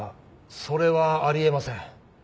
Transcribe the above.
それはあり得ません。